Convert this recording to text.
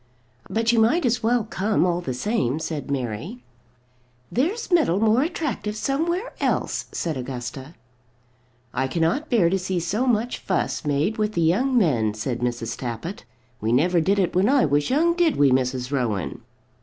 "But you might as well come all the same," said Mary. "There's metal more attractive somewhere else," said Augusta. "I cannot bear to see so much fuss made with the young men," said Mrs. Tappitt. "We never did it when I was young. Did we, Mrs. Rowan?"